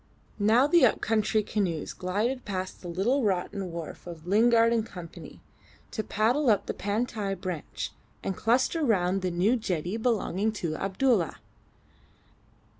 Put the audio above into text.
Now the up country canoes glided past the little rotten wharf of Lingard and Co., to paddle up the Pantai branch, and cluster round the new jetty belonging to Abdulla.